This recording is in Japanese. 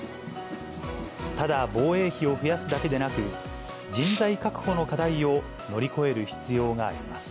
ただ、防衛費を増やすだけでなく、人材確保の課題を乗り越える必要があります。